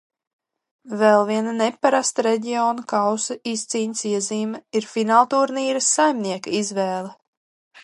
Vēl viena neparasta Reģionu kausa izcīņas iezīme ir finālturnīra saimnieka izvēle.